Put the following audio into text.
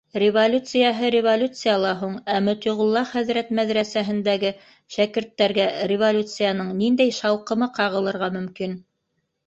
— Революцияһы революция ла һуң, ә Мотиғулла хәҙрәт мәҙрәсәһендәге шәкерттәргә революцияның ниндәй шауҡымы ҡағылырға мөмкин?